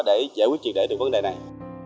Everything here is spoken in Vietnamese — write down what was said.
để giải quyết truyền đề từ vấn đề này